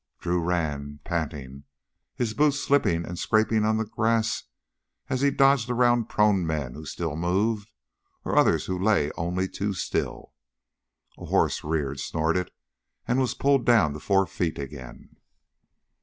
Drew ran, panting, his boots slipping and scraping on the grass as he dodged around prone men who still moved, or others who lay only too still. A horse reared, snorted, and was pulled down to four feet again.